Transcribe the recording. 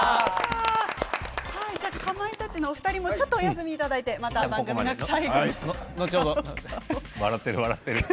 かまいたちのお二人もちょっとお休みいただいてまた番組の最後で。